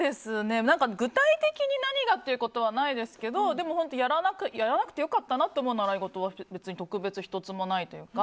具体的に何がということはないですけどやらなくてよかったなっていう習い事は特別１つもないというか。